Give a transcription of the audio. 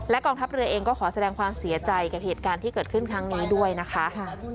กองทัพเรือเองก็ขอแสดงความเสียใจกับเหตุการณ์ที่เกิดขึ้นครั้งนี้ด้วยนะคะ